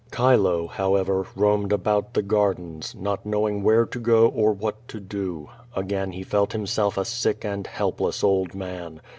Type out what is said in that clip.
Chilo, however, roamed about the gardens, not knowing where to go or what to do. Again he felt himself a sick and helpless old man.